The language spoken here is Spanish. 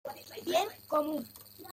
Bien Común.